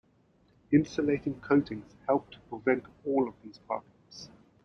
Insulating coatings help to prevent all of these problems.